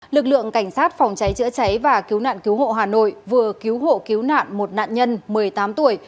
lực lượng cảnh sát phòng cháy chữa cháy và cứu nạn cứu hộ hà nội vừa cứu hộ cứu nạn một nạn nhân một mươi tám tuổi